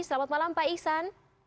selamat malam pak ihsan